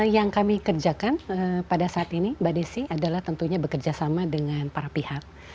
yang kami kerjakan pada saat ini mbak desi adalah tentunya bekerja sama dengan para pihak